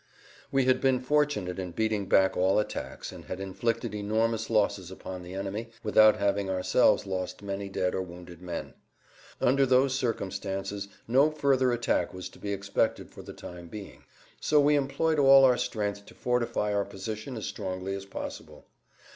We had been fortunate in beating back all attacks and had inflicted enormous losses upon the enemy without having ourselves lost many dead or wounded men. Under those circumstances no further attack was to be expected for the time being. So we employed all our strength to fortify our position as strongly as possible.